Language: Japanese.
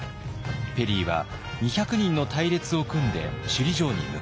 ペリーは２００人の隊列を組んで首里城に向かいます。